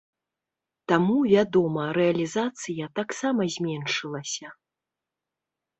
Таму, вядома, рэалізацыя таксама зменшылася.